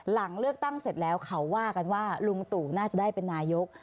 หลังเลือกตั้งเสร็จแล้วเขาว่ากันว่าลุงตู่น่าจะได้เป็นนายก